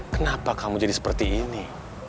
kenapa kamu jadi seperti ini